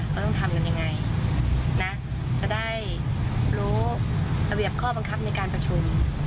เราต้องทำกันยังไงนะจะได้รู้ระเบียบข้อบังคับในการประชุม